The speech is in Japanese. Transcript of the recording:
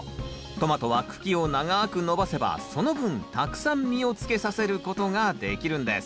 トマトは茎を長く伸ばせばその分たくさん実をつけさせることができるんです。